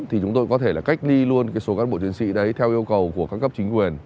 thì chúng tôi có thể là cách ly luôn số cán bộ chiến sĩ đấy theo yêu cầu của các cấp chính quyền